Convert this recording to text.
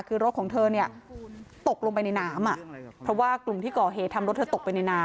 คือรถของเธอเนี่ยตกลงไปในน้ำอ่ะเพราะว่ากลุ่มที่ก่อเหตุทำรถเธอตกไปในน้ำ